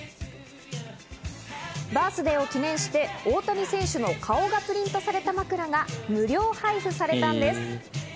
バースデーを記念して大谷選手の顔がプリントされた枕が無料配布されたんです。